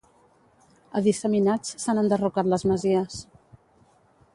A disseminats s'han enderrocat les masies